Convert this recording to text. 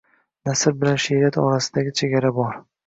Nasr bilan she’riyat orasidagi chegara bor.